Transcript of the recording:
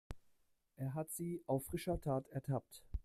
Er hat sie auf frischer Tat ertappt.